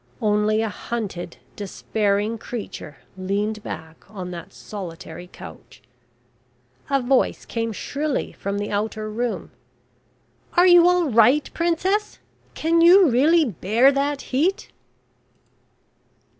Only a hunted, despairing creature leaned back on that solitary couch. A voice came shrilly from the outer room: "Are you all right, Princess? Can you really bear that heat?"